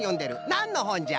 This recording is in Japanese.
なんのほんじゃ？